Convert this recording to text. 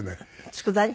佃煮？